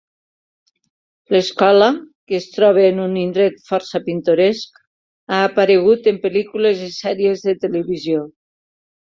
L'escola, que es troba en un indret força pintoresc, ha aparegut en pel·lícules i sèries de televisió.